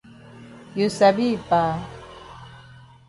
You sabi yi pa.